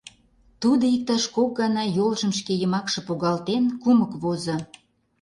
Тудо иктаж кок гана, йолжым шке йымакше погалтен, кумык возо.